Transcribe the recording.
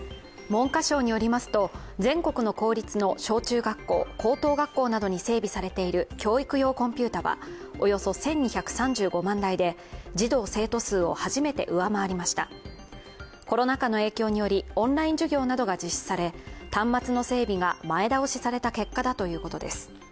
文科省によりますと、全国の公立の小中学校・高等学校などに整備されている教育用コンピューターはおよそ１２３５万台で児童・生徒数を初めて上回りましたコロナ禍の影響によりオンライン授業などが実施され、端末の整備が前倒しされた結果だということです。